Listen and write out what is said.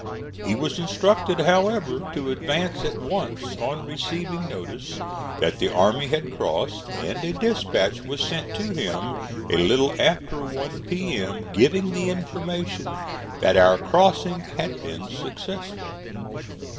He was instructed, however, to advance at once on receiving notice that the army had crossed; and a dispatch was sent to him a little after one P.M. giving the information that our crossing had been successful.